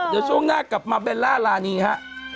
เดี๋ยวช่วงหน้ากลับมาเบลล่ารานีฮะ